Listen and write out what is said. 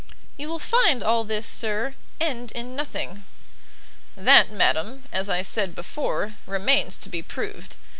"You will find all this, sir, end in nothing." "That, madam, as I said before, remains to be proved.